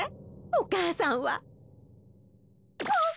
お母さんはもう。